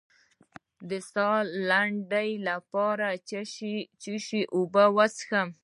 د ساه لنډۍ لپاره د څه شي اوبه وڅښم؟